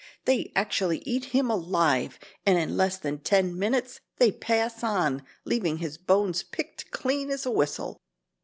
They actually eat him alive, and in less than ten minutes they pass on leaving his bones picked clean as a whistle.